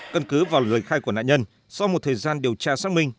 cân cứ vào lời khai của nạn nhân sau một thời gian điều tra xác minh